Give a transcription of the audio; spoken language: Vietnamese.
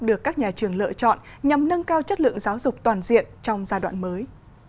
được các nhà trường lựa chọn nhằm nâng cao chất lượng giáo dục toàn diện trong giai đoạn mới